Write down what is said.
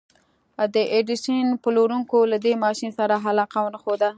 د ايډېسن پلورونکو له دې ماشين سره علاقه ونه ښوده.